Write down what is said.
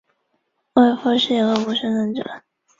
沃尔夫是一个无神论者。